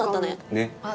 ねっ。